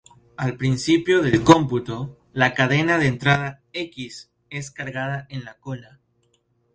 Al principio del cómputo, la cadena de entrada "x" es cargada en la cola.